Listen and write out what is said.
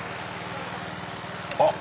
あっ！